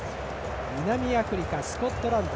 南アフリカ、スコットランド。